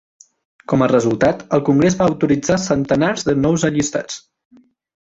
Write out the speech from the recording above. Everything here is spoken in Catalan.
Com a resultat, el Congrés va autoritzar centenars de nous allistats.